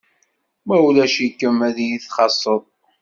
Ma ulac-ikem ad yi-txaṣṣeḍ.